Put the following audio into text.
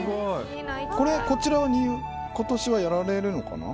これは今年はやられるのかな。